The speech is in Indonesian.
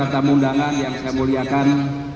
tamu undangan yang saya muliakan